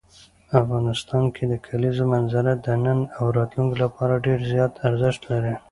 افغانستان کې د کلیزو منظره د نن او راتلونکي لپاره ډېر زیات ارزښت لري.